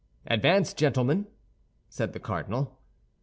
"Advance, gentlemen," said the cardinal.